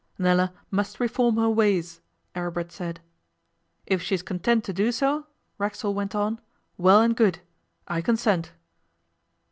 'Nella must reform her ways,' Aribert said. 'If she is content to do so,' Racksole went on, 'well and good! I consent.